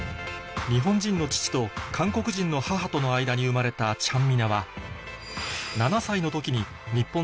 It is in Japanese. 日本人の父と韓国人の母との間に生まれたちゃん